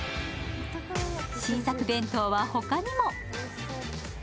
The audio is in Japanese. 新作弁当は他にも。